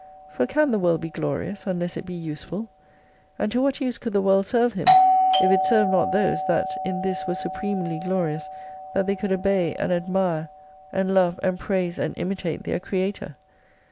For can the world be glorious unless it be useful ? And to what use could the world serve Him, if it served not those, that in this were supremely glorious that they could obey and admire and love and 270 praise and imitate their Creator